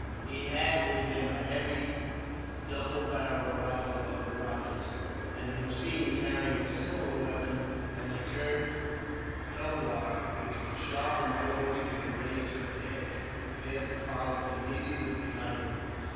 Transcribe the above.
He had with him a heavy, double barrelled rifle of the rajah's; and Hossein, carrying a similar weapon, and a curved tulwar which was sharpened almost to a razor edge, prepared to follow immediately behind him.